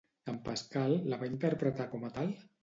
En Pascal la va interpretar com a tal?